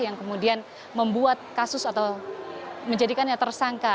yang kemudian membuat kasus atau menjadikannya tersangka